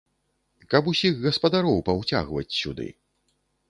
Каб усіх гаспадароў паўцягваць сюды.